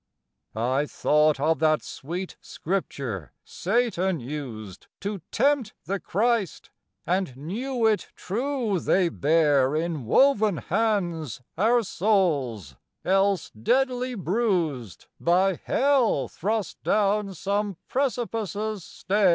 I thought of that sweet Scripture Satan used To tempt the Christ, and knew it true they bear In woven hands our souls, else deadly bruised, By hell thrust down some precipice's stair.